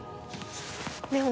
でも。